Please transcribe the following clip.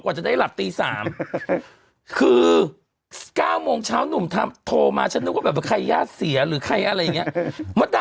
คือ๙โมงเช้าหนุ่มโทรมาฉันนึกว่าแบบใครย่าเสียหรือใครอะไรอย่างนี้